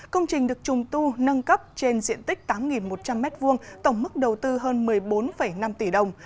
công trình được trùng tu nâng cấp trên diện tích tám một trăm linh m hai tổng mức đầu tư hơn một mươi bốn năm tỷ đồng